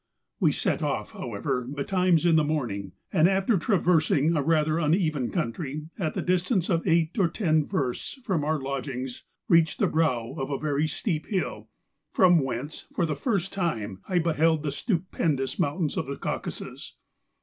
We set off, however, be¬ times in the morning ; and, after traversing a rather uneven country, at the distance of eight or ten versts from our lodgings, reached the brow of a very steep hill, from whence, for the first time, T beheld the stupendous mountains of Caucasus.